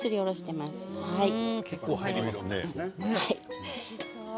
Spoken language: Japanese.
結構、入りますね。